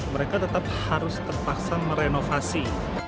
mereka tetap harus terpaksa merenovasi